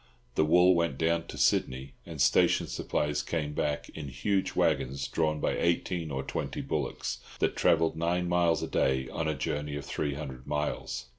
The wool went down to Sydney, and station supplies came back, in huge waggons drawn by eighteen or twenty bullocks, that travelled nine miles a day on a journey of three hundred miles.